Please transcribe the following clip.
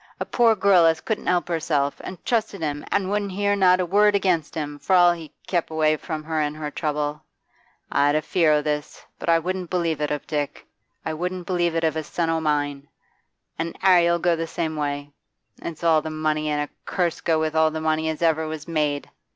A poor girl as couldn't help herself, as trusted him an' wouldn't hear not a word against him, for all he kep' away from her in her trouble. I'd a fear o' this, but I wouldn't believe it of Dick; I wouldn't believe it of a son o' mine. An' 'Arry 'll go the same way. It's all the money, an a curse go with all the money as ever was made!